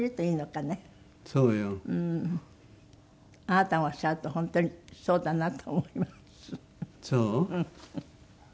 あなたがおっしゃると本当にそうだなと思います。